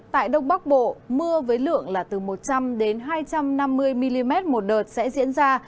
tại đông bắc bộ mưa với lượng là từ một trăm linh hai trăm năm mươi mm một đợt sẽ diễn ra